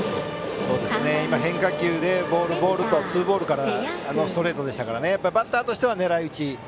変化球でボール、ボールとツーボールからストレートでしたからバッターとしては狙い打ち。